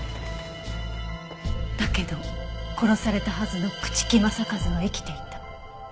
だけど殺されたはずの朽木政一は生きていた。